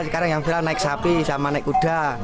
sekarang yang viral naik sapi sama naik kuda